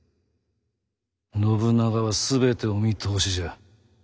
信長は全てお見通しじゃ。